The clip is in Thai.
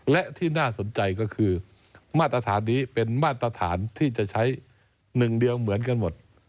และที่น่าสนใจก็คือมาตรฐานนี้เป็นมาตรฐานที่จะใช้หนึ่งเดียวเหมือนกันหมด